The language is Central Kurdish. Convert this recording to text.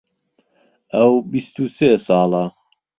ئەو بیست و سێ ساڵە.